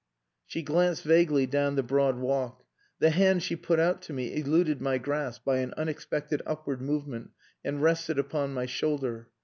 She glanced vaguely down the broad walk the hand she put out to me eluded my grasp by an unexpected upward movement, and rested upon my shoulder.